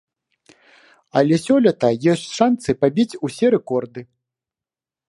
Але сёлета ёсць шанцы пабіць усе рэкорды.